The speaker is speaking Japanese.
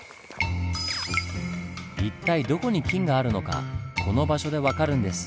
一体どこに金があるのかこの場所で分かるんです。